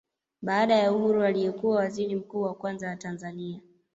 Baada ya uhuru aliyekuwa waziri mkuu wa kwanza wa Tanzania